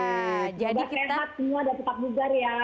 sudah sehat semua sudah tetap bugar ya